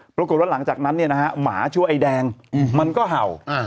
ปรากฏว่าหลังจากนั้นหมาชั่วไอ้แดงมันก็เห่า